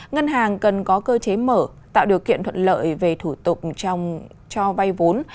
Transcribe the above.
ngân hàng cần có cơ chế mở tạo điều kiện thuận lợi về thủ tục cho vay vốn